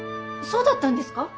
そうだったんですか？